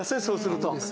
そうすると。